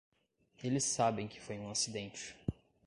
Eles sabem que foi um acidente.